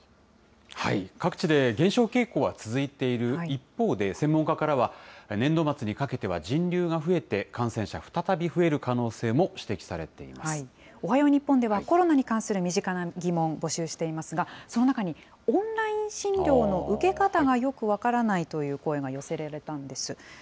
各地で減少傾向は続いている一方で、専門家からは、年度末にかけては人流が増えて、感染者、再び増える可能性も指摘おはよう日本では、コロナに関する身近な疑問、募集していますが、その中に、オンライン診療の受け方がよく分からないという声が寄せられたんです。